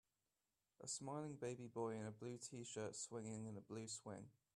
A smiling baby boy in a blue tshirt swinging in a blue swing